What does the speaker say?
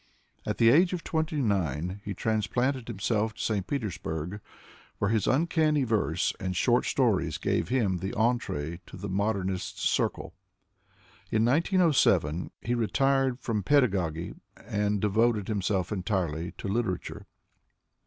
At the age of twenty nine he transplanted himself to St Petersburg, where his un canny verse and short stories gave him ihe entr6e to the mod ernists' circle. In 1907 he retired from pedagogy, and devoted himself entirely to literature.